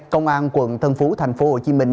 công an tp tp hồ chí minh